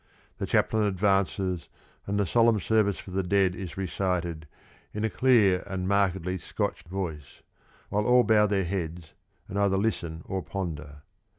The chaplain advances, and the solemn service for the dead is recited in a clear and markedly Scotch voice, while all bow their heads and either listen or ponder.